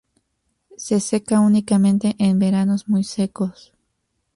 Se seca únicamente en veranos muy secos.